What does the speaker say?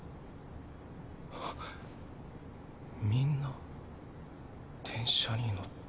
はっ「みんな電車に乗って」。